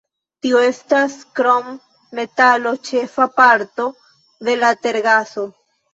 Tio estas krom metano ĉefa parto de la tergaso.